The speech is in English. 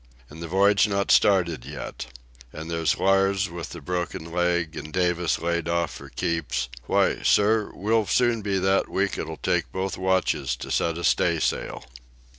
And the voyage not started yet. And there's Lars with the broken leg, and Davis laid off for keeps—why, sir, we'll soon be that weak it'll take both watches to set a staysail."